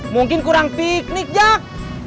mungkin kurang piknik jack